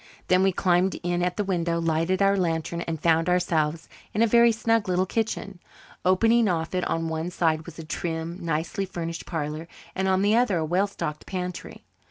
Then we climbed in at the window, lighted our lantern, and found ourselves in a very snug little kitchen. Opening off it on one side was a trim, nicely furnished parlour and on the other a well stocked pantry.